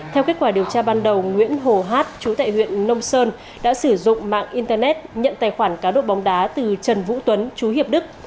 theo kết quả điều tra ban đầu nguyễn hồ hát chú tại huyện nông sơn đã sử dụng mạng internet nhận tài khoản cá độ bóng đá từ trần vũ tuấn chú hiệp đức